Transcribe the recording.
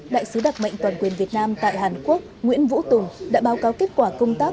đại sứ đặc mệnh toàn quyền việt nam tại hàn quốc nguyễn vũ tùng đã báo cáo kết quả công tác